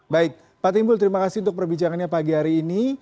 baik pak timbul terima kasih untuk perbincangannya pagi hari ini